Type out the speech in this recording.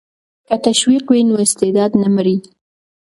که تشویق وي نو استعداد نه مري.